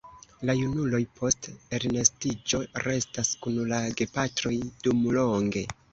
La junuloj post elnestiĝo restas kun la gepatroj dumlonge.